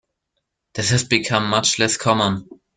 This has become much less common.